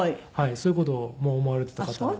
そういう事も思われてた方なんで。